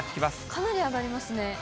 かなり上がりますね。